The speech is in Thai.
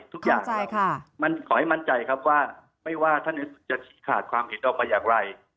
ทุกอย่างมันขอให้มั่นใจครับว่าไม่ว่าท่านจะขาดความเห็นออกมาอย่างไร